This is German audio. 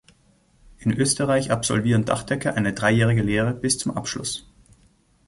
In Österreich absolvieren Dachdecker eine dreijährige Lehre bis zum Abschluss.